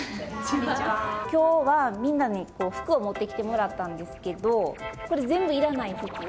今日はみんなに服を持ってきてもらったんですけどこれ全部いらない服？